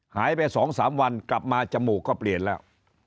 หายไป๒๓วันกลับมาจมูกก็เปลี่ยนแล้ว